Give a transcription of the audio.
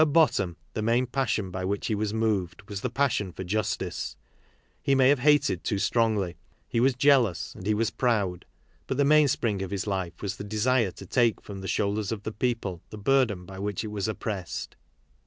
At bottom, the main passion by which he was moved was the passion for justice. He may have hated too strongly, he was jealous, and he was proud. But the mainspring of his life was the desire to take from the shoulders of the people the burden by which it was oppressed.